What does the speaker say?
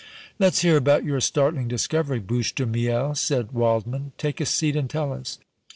"Let's hear about your startling discovery, Bouche de Miel," said Waldmann. "Take a seat and tell us."